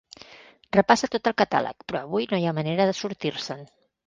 Repassa tot el catàleg, però avui no hi ha manera de sortir-se'n.